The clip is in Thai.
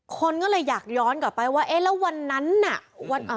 คนก็เลยอยากย้อนกลับไปว่าเอ๊ะแล้ววันนั้นน่ะวันอ่า